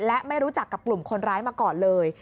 และไม่รู้จักกับกลุ่มคนร้ายมาก่อนเลย